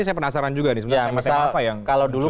saya penasaran juga nih kalau dulu